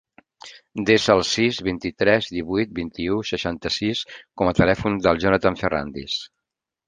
Desa el sis, vint-i-tres, divuit, vint-i-u, seixanta-sis com a telèfon del Jonathan Ferrandis.